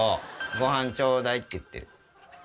「ごはんちょうだい」って言ってる。